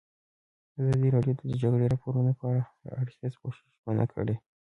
ازادي راډیو د د جګړې راپورونه په اړه د هر اړخیز پوښښ ژمنه کړې.